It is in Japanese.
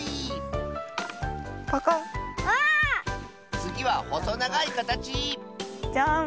つぎはほそながいかたちジャーン。